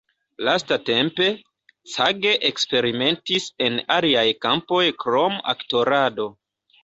Lastatempe, Cage eksperimentis en aliaj kampoj krom aktorado.